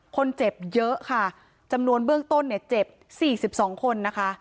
คนเจ็บเยอะค่ะจำนวนเบื้องต้นเนี่ยเจ็บ๔๒คนนะคะ